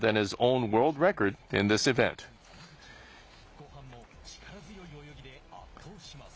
後半も力強い泳ぎで圧倒します。